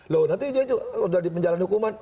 loh nanti dia juga sudah di penjara di hukuman